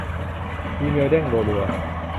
อีเมลเด้งรัวรัว